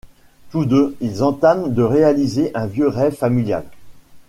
Tous deux, ils entament de réaliser un vieux rêve familial.